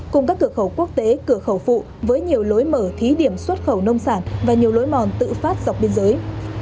cùng các cửa khẩu quốc tế cửa khẩu phụ với nhiều lối mở thí điểm xuất khẩu nông sản và nhiều lối mòn tự phát dọc biên giới